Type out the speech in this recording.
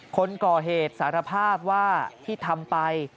คนก่อเหตุสารภาพว่าที่ทำไป